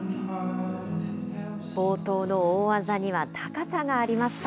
冒頭の大技には高さがありました。